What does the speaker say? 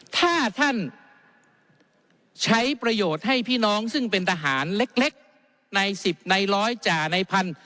ถ้าท่านใช้ประโยชน์ให้พี่น้องซึ่งเป็นทหารเล็กในสิบในร้อยจ่าในพัน